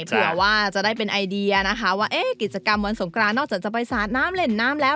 เผื่อว่าจะได้เป็นไอเดียนะคะว่ากิจกรรมวันสงครานนอกจากจะไปสาดน้ำเล่นน้ำแล้ว